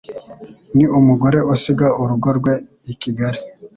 Ni umugore usiga urugo rwe i Kigali